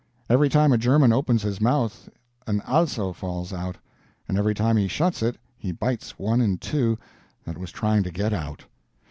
Every time a German opens his mouth an ALSO falls out; and every time he shuts it he bites one in two that was trying to GET out.